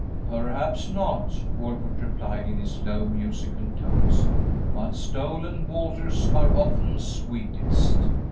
"Perhaps not," Walcott replied, in his low, musical tones, "but stolen waters are often sweetest.